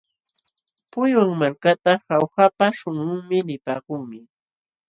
Puywan malkata Jaujapa śhunqunmi nipaakunmi.